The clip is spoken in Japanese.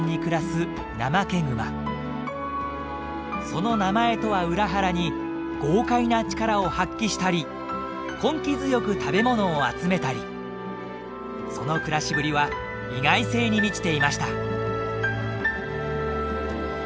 その名前とは裏腹に豪快な力を発揮したり根気強く食べ物を集めたりその暮らしぶりは意外性に満ちていました。